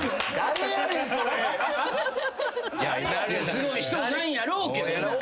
すごい人なんやろうけど。